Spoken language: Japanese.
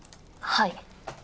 はい。